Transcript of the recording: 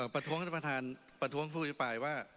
ประท้วงผู้พูดไปว่า